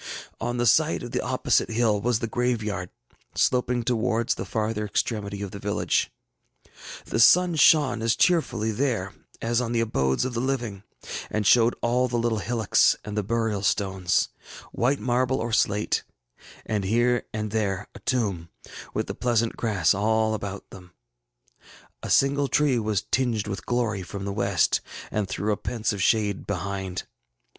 ŌĆ£On the side of the opposite hill was the graveyard, sloping towards the farther extremity of the village. The sun shone as cheerfully there as on the abodes of the living, and showed all the little hillocks and the burial stones, white marble or slate, and here and there a tomb, with the pleasant grass about them all. A single tree was tinged with glory from the west, and threw a pensive shade behind.